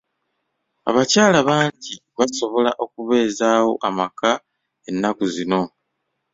Abakyala bangi basobola okubeezawo amaka ennaku zino .